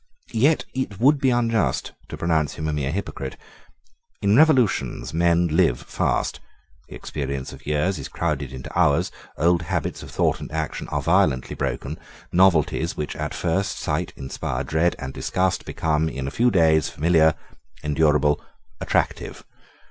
Yet it would be unjust to pronounce him a mere hypocrite. In revolutions men live fast: the experience of years is crowded into hours: old habits of thought and action are violently broken; novelties, which at first sight inspire dread and disgust, become in a few days familiar, endurable, attractive.